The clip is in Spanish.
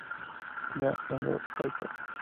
Jack the Ripper".